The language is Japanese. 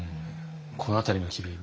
この辺りの機微。